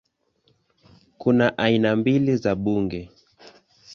Kuna aina mbili za bunge